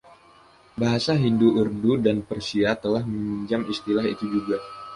Bahasa Hindi, Urdu, dan Persia telah meminjam istilah itu juga.